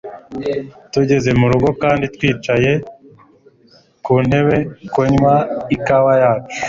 Tugeze murugo kandi twicaye kuntebe tunywa ikawa yacu,